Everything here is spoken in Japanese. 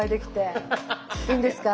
いいんですか？